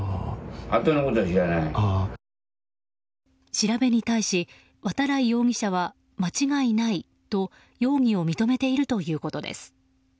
調べに対し、渡来容疑者は間違いないと容疑を認めているということです。